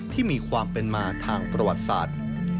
ที่มีความเป็นมาทางประวัติศาสตร์